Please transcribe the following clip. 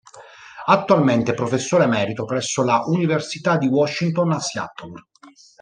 Attualmente è "Professore emerito" presso la Università di Washington a Seattle.